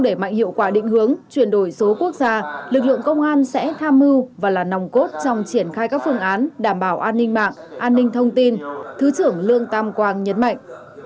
để mạnh hiệu quả định hướng chuyển đổi số quốc gia lực lượng công an sẽ tham mưu và là nòng cốt trong triển khai các phương án đảm bảo an ninh mạng an ninh thông tin thứ trưởng lương tam quang nhấn mạnh